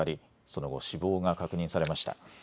その後、死亡が確認されました。